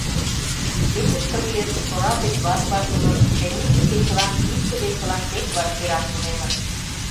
Кечыште лийыт, тора гыч ваш-ваш ужыт, тенийысе кечылан икте-весылан тек вашкерак тунемыт.